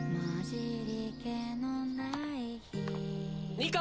・ニカ！